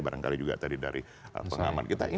barangkali juga tadi dari pengamat kita